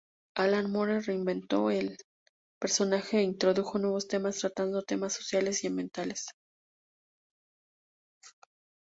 Alan Moore reinventó el personaje e introdujo nuevos temas, tratando temas sociales y ambientales.